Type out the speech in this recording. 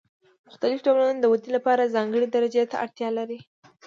مختلف ډولونه د ودې لپاره ځانګړې درجې ته اړتیا لري.